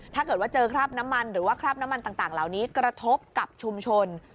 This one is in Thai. ถ้าเกิดว่าเจอคราบน้ำมันหรือว่าคราบน้ำมันต่างเหล่านี้กระทบกับชุมชน